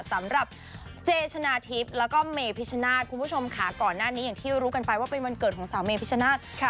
สำหรับเจชนะทิพย์แล้วก็เมพิชนาธิ์คุณผู้ชมค่ะก่อนหน้านี้อย่างที่รู้กันไปว่าเป็นวันเกิดของสาวเมพิชนาธิ์